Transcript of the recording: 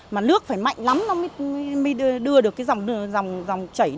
mà nước phải mạnh lắm nó mới đưa được cái dòng chảy đất xuống như thế kia